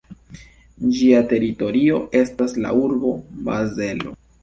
Ĝia teritorio estas la urbo Bazelo.